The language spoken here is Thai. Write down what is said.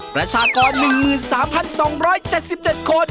ประชากร๑๓๒๗๗คน